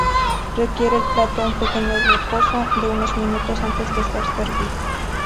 Requiere el plato un pequeño reposo de unos minutos antes de ser servido.